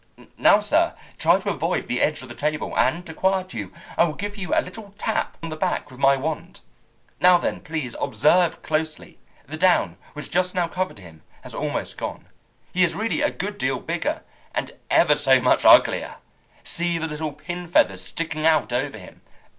Now, sir, try to avoid the edge of the table, and, to quiet you, I will give you a little tap on the back with my wand. Now, then, please observe closely. The down which just now covered him has almost gone. He is really a good deal bigger, and ever so much uglier. See the little pin feathers sticking out over him!